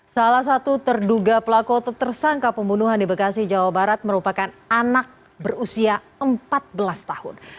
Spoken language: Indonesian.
salah satu terduga pelaku atau tersangka pembunuhan di bekasi jawa barat merupakan anak berusia empat belas tahun